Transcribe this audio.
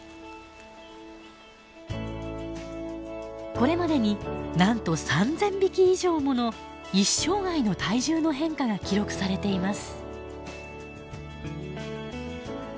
これまでになんと３，０００匹以上もの一生涯の体重の変化が記録されています。